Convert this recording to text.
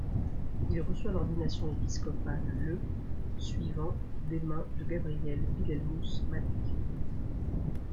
Il reçoit l'ordination épiscopale le suivant des mains de Gabriel Wilhelmus Manek.